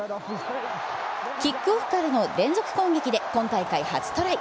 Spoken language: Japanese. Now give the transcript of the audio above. キックオフからの連続攻撃で今大会初トライ。